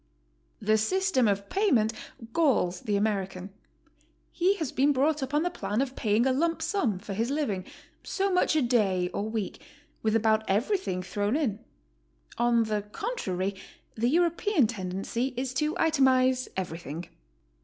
The system of payment galls the American. He has been brought up on the plan of paying a lump sum for his living, so much a day or week, with about everything thrown in. On the contrary, the European tendency is to itemize everything.